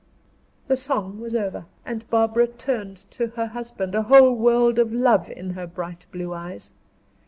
The song was over, and Barbara turned to her husband, a whole world of love in her bright blue eyes.